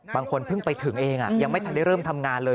บางคนเพิ่งไปถึงเองยังไม่ทันได้เริ่มทำงานเลย